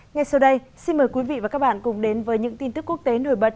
ngay sau đây xin mời quý vị và các bạn cùng đến với những tin tức quốc tế nổi bật